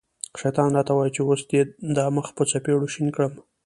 شیطان را ته وايي چې اوس دې دا مخ په څپېړو شین کړم.